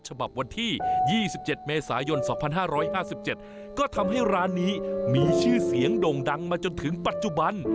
ฉบับวันที่๒๗เมษายน๒๕๕๗ก็ทำให้ร้านนี้มีชื่อเสียงโด่งดังมาจนถึงปัจจุบัน